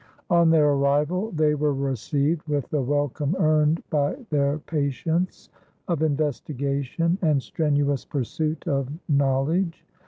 On their arrival they were received with the welcome earned by their patience of investigation and strenuous pursuit of knowledge.